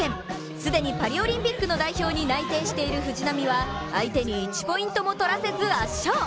既にパリオリンピックの代表に内定している藤波は相手に１ポイントも取らせず圧勝。